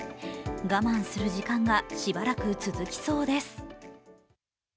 我慢する時間が、しばらく続きそうです。